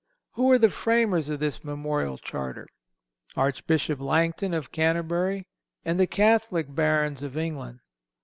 Who were the framers of this memorable charter? Archbishop Langton, of Canterbury, and the Catholic Barons of England.